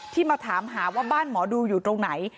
มาถามหาว่าบ้านหมอดูอยู่ตรงไหน